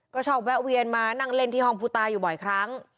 ก็ชอบแวะเวียนมานั่งเล่นที่ห้องผู้ตายอยู่บ่อยครั้ง